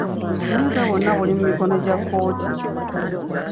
Obuyinza bwonna buli mu mikono gya kkooti.